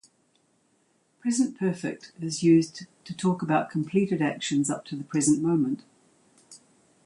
Present Perfect is used to talk about completed actions up to the present moment.